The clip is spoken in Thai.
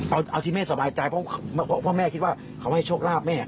เอาเอาที่แม่สบายใจเพราะเพราะว่าแม่คิดว่าเขาให้โชคราบแม่